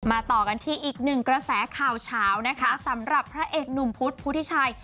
ต่อกันที่อีกหนึ่งกระแสข่าวเฉานะคะสำหรับพระเอกหนุ่มพุทธพุทธิชัย